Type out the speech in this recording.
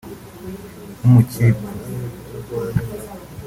nk’umukipfu